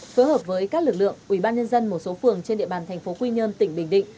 phối hợp với các lực lượng ubnd một số phường trên địa bàn thành phố quy nhơn tỉnh bình định